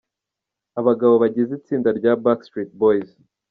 Abagabo bagize itsinda rya Backstreet Boys.